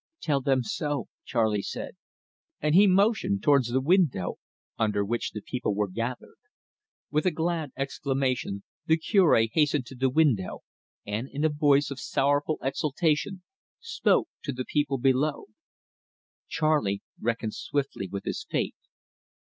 "Tell them so," Charley said, and he motioned towards the window, under which the people were gathered. With a glad exclamation the Cure hastened to the window, and, in a voice of sorrowful exultation, spoke to the people below. Charley reckoned swiftly with his fate.